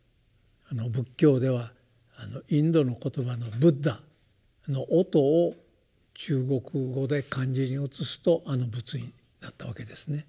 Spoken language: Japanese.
仏教ではインドの言葉のブッダの音を中国語で漢字に写すとあの仏になったわけですね。